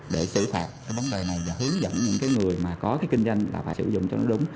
để xử phạt cái vấn đề này và hướng dẫn những cái người mà có cái kinh doanh là phải sử dụng cho nó đúng